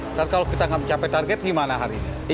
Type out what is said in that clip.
ntar kalau kita gak mencapai target gimana hari ini